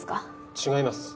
違います